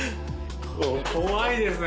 怖いですね